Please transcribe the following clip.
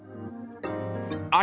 ［あれ？